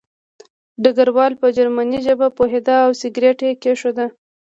ډګروال په جرمني ژبه پوهېده او سګرټ یې کېښود